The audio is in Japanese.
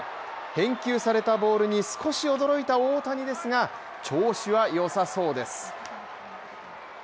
返球されたボールに少し驚いた大谷ですが調子はよさそうです。